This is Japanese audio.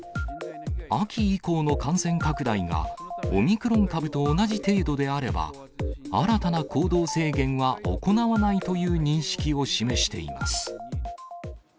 秋以降の感染拡大が、オミクロン株と同じ程度であれば、新たな行動制限は行わないという認識を示しています。